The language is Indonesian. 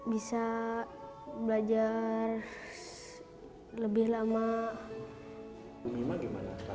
bisa belajar lebih lama